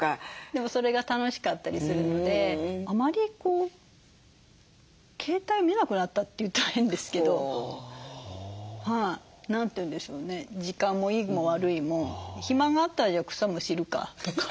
でもそれが楽しかったりするのであまり携帯見なくなったって言ったら変ですけど何て言うんでしょうね時間もいいも悪いも暇があったらじゃあ草むしるかとか。